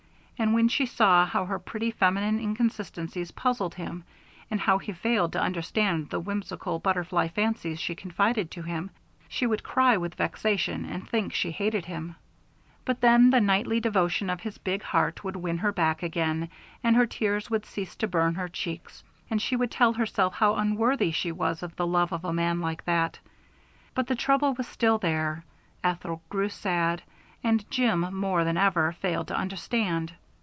And when she saw how her pretty feminine inconsistencies puzzled him, and how he failed to understand the whimsical, butterfly fancies she confided to him, she would cry with vexation, and think she hated him; but then the knightly devotion of his big heart would win her back again, and her tears would cease to burn her cheeks, and she would tell herself how unworthy she was of the love of a man like that. But the trouble was still there; Ethel grew sad, and Jim, more than ever, failed to understand.